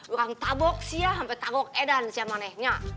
orang tabok sih ya sampe tabok edan sih yang manehnya